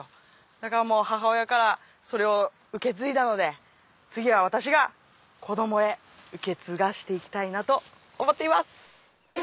だからもう母親からそれを受け継いだので次は私が子供へ受け継がしていきたいなと思っています。